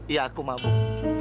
iya aku mabuk